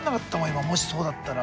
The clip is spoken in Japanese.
今もしそうだったら。